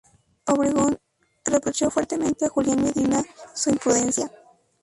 Obregón reprochó fuertemente a Julián Medina su imprudencia.